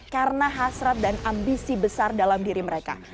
karena hasrat dan ambisi besar dalam diri mereka